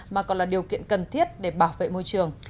mà còn là điều kiện cần thiết để bảo vệ môi trường